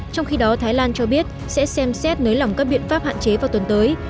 trong khi đó thái lan cho biết sẽ xem xét nới lỏng các biện pháp hạn chế vào tuần tới